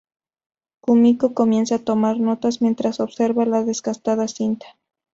Kumiko comienza a tomar notas mientras observa la desgastada cinta.